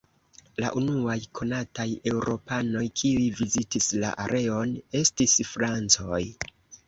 La unuaj konataj eŭropanoj kiuj vizitis la areon estis francoj.